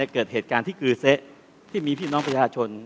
เกิดเหตุการณ์ที่กือเซะที่มีพี่น้องประชาชน